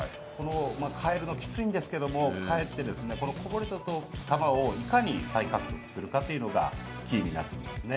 帰るのきついんですけど、帰ってですね、このこぼれた球をいかに再獲得するかというのが、キーになってきますね。